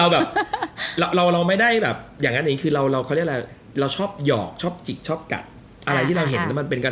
ข่าวทุกช่องคือออก